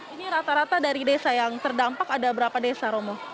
ini rata rata dari desa yang terdampak ada berapa desa romo